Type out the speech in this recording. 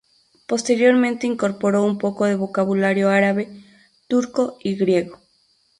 Posteriormente incorporó un poco de vocabulario árabe, turco y griego.